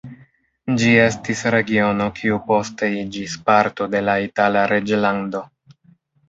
Ĝi estis regiono, kiu poste iĝis parto de la Itala reĝlando.